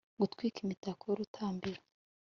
Gutwika imitako yurutambiro